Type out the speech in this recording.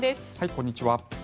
こんにちは。